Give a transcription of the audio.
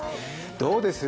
どうです？